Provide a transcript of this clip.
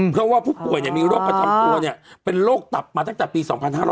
เพราะว่าผู้ป่วยมีโรคประจำตัวเป็นโรคตับมาตั้งแต่ปี๒๕๕๙